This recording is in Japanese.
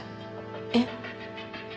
えっ？